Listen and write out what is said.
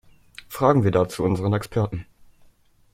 Fragen wir dazu unseren Experten.